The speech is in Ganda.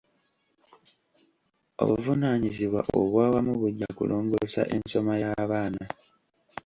Obuvunaanyizibwa obw'awamu bujja kulongoosa ensoma y'abaana.